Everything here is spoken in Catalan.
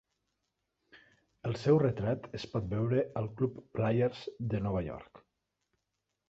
El seu retrat es pot veure al club Players de Nova York.